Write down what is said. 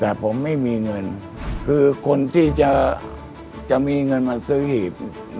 แต่ผมไม่มีเงินคือคนที่จะมีเงินมาซื้อหีบ